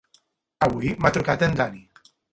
Avui m'ha trucat en Dani.